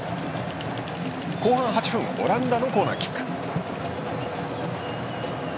後半８分オランダのコーナーキック。